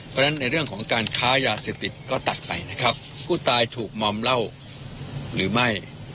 เพราะฉะนั้นในเรื่องของการค้ายาเสพติดก็ตัดไปนะครับผู้ตายถูกมอมเหล้าหรือไม่